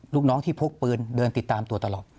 ลูกน้องที่พกปืนเดินติดตามตัวตลอด